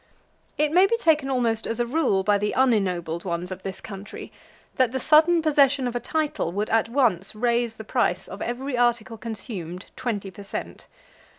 It may be taken almost as a rule by the unennobled ones of this country, that the sudden possession of a title would at once raise the price of every article consumed twenty per cent.